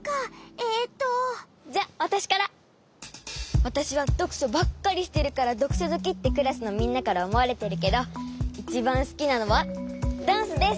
わたしはどくしょばっかりしてるからどくしょずきってクラスのみんなからおもわれてるけどいちばんすきなのはダンスです！